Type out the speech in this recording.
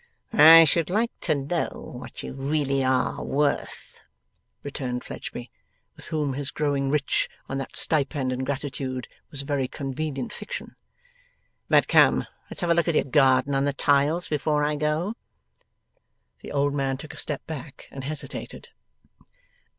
'I should like to know what you really are worth,' returned Fledgeby, with whom his growing rich on that stipend and gratitude was a very convenient fiction. 'But come! Let's have a look at your garden on the tiles, before I go!' The old man took a step back, and hesitated.